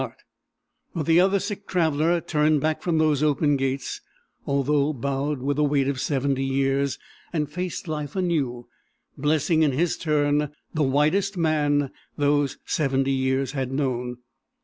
But the other sick traveller turned back from those open gates, although bowed with the weight of seventy years, and faced life anew, blessing in his turn "the whitest man" those seventy years had known.